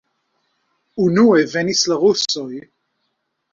Unue venis la rusoj.